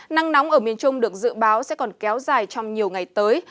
nắng nóng ở miền trung được dự báo sẽ còn kéo dài trong nhiều ngày tới